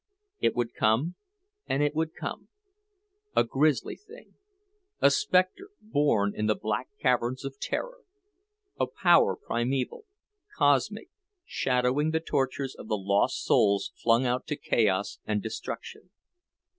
It would come, and it would come; a grisly thing, a specter born in the black caverns of terror; a power primeval, cosmic, shadowing the tortures of the lost souls flung out to chaos and destruction.